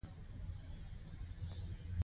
مچمچۍ د چاپېریال ښه دوست ده